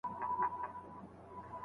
استاد د څېړونکي لپاره نوې لار پرانیزي.